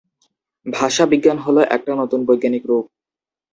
ভাষা বিজ্ঞান হলো একটা নতুন বৈজ্ঞানিক রুপ।